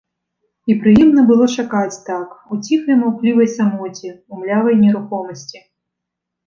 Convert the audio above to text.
І прыемна было чакаць так, у ціхай маўклівай самоце, у млявай нерухомасці.